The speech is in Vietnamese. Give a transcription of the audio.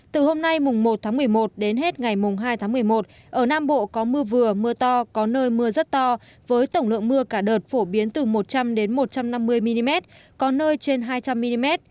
từ hôm nay một tháng một mươi một đến hết ngày hai tháng một mươi một ở nam bộ có mưa vừa mưa to có nơi mưa rất to với tổng lượng mưa cả đợt phổ biến từ một trăm linh một trăm năm mươi mm có nơi trên hai trăm linh mm